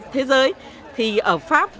thế giới thì ở pháp